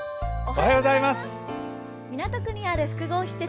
港区にあル複合施設